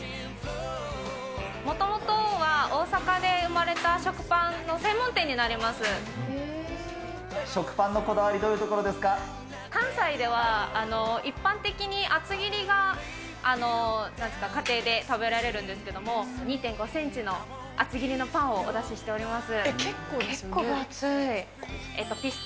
もともとは大阪で生まれた食食パンのこだわり、どういう関西では、一般的に厚切りが家庭で食べられるんですけれども、２．５センチの厚切りのパンをお出ししております。